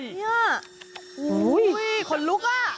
เนี่ยอุ้ยขนลุกอ่ะ